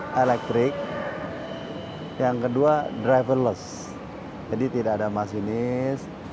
ini elektrik yang kedua driverless jadi tidak ada masinis